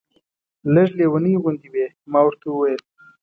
لږ لېونۍ غوندې وې. ما ورته وویل.